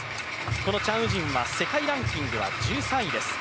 このチャン・ウジンは世界ランキングは１３位です。